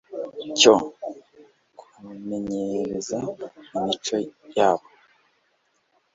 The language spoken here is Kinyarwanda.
cyo kumenyereza imico yabo